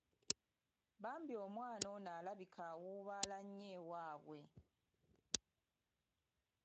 Bambi omwana ono alabika awuubaala nnyo ewaabwe.